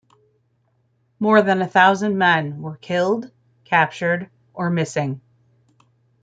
More than a thousand men were killed, captured, or missing.